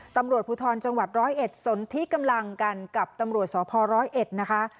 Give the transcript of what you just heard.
ตำรวจภูทรจังหวัดร้อยเอ็ดสนที่กำลังกันกับตำรวจสพร้อยเอ็ดนะคะ